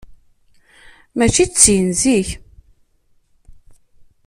Mačči d tin zik.